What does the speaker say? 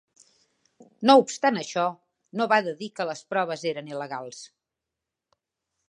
No obstant això, no va de dir que les proves eren il·legals.